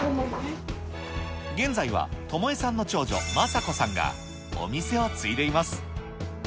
現在はトモエさんの長女、雅子さんが、お店を継いでいます。